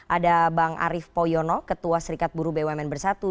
ada bang arief poyono ketua serikat buru bumn bersatu